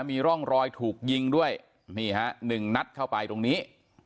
มีร่องรอยถูกยิงด้วยนี่ฮะหนึ่งนัดเข้าไปตรงนี้